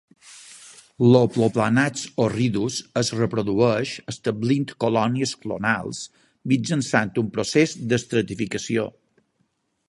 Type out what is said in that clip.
L'"Oplopanax horridus" es reprodueix establint colònies clonals mitjançant un procés d'estratificació.